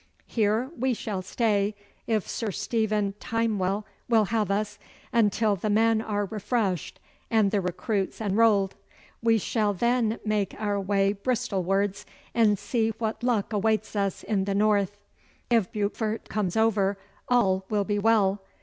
Here we shall stay, if Sir Stephen Timewell will have us, until the men are refreshed and the recruits enrolled. We shall then make our way Bristolwards, and see what luck awaits us in the North. If Beaufort comes over all will be well.